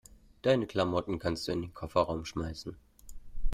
Deine Klamotten kannst du in den Kofferraum schmeißen.